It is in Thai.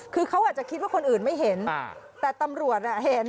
คือเขาอาจจะคิดว่าคนอื่นไม่เห็นแต่ตำรวจเห็น